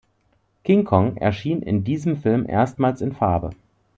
King Kong erschien in diesem Film erstmals in Farbe.